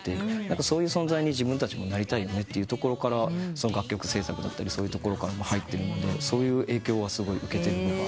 そういう存在に自分たちもなりたいよねってところから楽曲制作だったりそういうところから入ってるのでそういう影響はすごい受けてます。